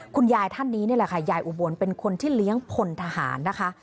คุณยายท่านนี้นี่แหละค่ะยายอุบลเป็นคนที่เลี้ยงพลทหารนะคะ